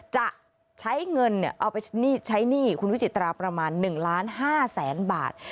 จะใช้เงินเอาไปใช้หนี้คุณวิจิตราประมาณ๑ล้าน๕แสนบาท